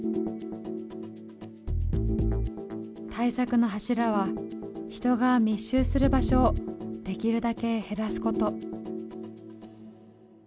対策の柱は人が密集する場所をできるだけ減らすこと。